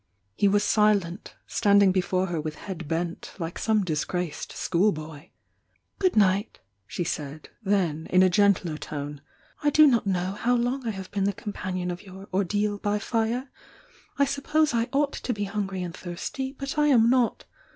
He was silent, standing before her with head bent, like some disgraced school boy. "Good night!" she said, then, in a gentler tone — "I do not know how long I have been tiie companion of your 'Ordeal by Fire!' — I wppose I oug^t to be hungry and thirsty, but I aia not.